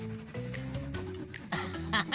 アッハハ！